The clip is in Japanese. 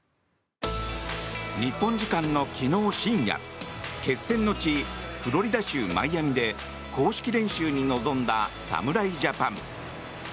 日本時間の昨日深夜決戦の地フロリダ州マイアミで公式練習に臨んだ侍ジャパン。